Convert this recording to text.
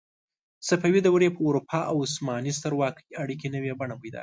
صفوي دورې په اروپا او عثماني سترواکۍ اړیکې نوې بڼه پیدا کړه.